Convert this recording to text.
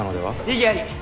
異議あり！